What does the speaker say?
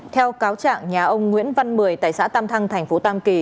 theo cáo trạng nhà ông nguyễn văn mười tại xã tam thăng thành phố tam kỳ